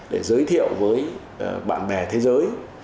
để giới thiệu với bạn bè thế giới